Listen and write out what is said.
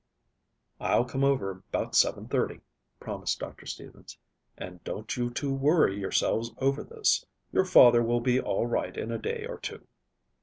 "I'll come over about seven thirty," promised Doctor Stevens, "and don't you two worry yourselves over this. Your father will be all right in a day or two."